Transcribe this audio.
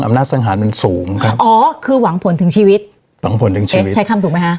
อำนาจสังหารมันสูงครับอ๋อคือหวังผลถึงชีวิตหวังผลถึงชีวิตใช้คำถูกไหมคะ